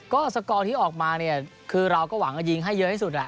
ก็สกอร์ที่ออกมาเนี่ยคือเราก็หวังยิงให้เยอะที่สุด